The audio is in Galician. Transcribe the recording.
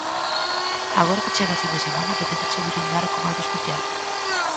Agora que chega a fin de semana apetéceche brindar con algo especial?